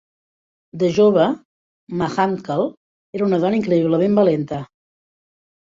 De jove, Ma Hunkel era una dona increïblement valenta.